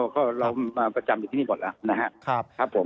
ก็มาประจำอยู่ที่นี่หมดนะฮะ